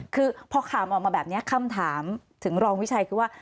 คือพอข่าวออกมาแบบนี้คำถามถึงรองวิชัยคือว่า